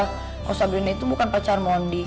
kalo sabrina itu bukan pacar mondi